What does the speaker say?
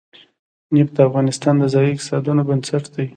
نفت د افغانستان د ځایي اقتصادونو بنسټ دی.